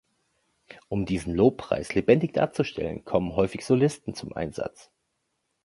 Um diesen Lobpreis lebendig darzustellen kommen häufig Solisten zum Einsatz.